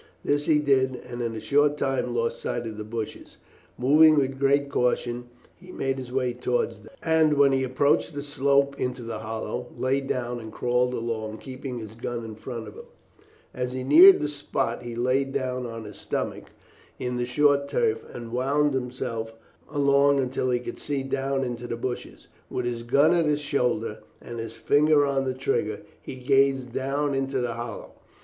This he did, and in a short time lost sight of the bushes. Moving with great caution, he made his way towards them, and when he approached the slope into the hollow, lay down and crawled along, keeping his gun in front of him. As he neared the spot he lay down on his stomach in the short turf and wound himself along until he could see down into the bushes. With his gun at his shoulder, and his finger on the trigger, he gazed down into the hollow.